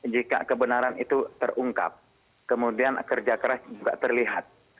jika kebenaran itu terungkap kemudian kerja keras juga terlihat